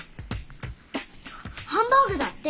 ハンバーグだって。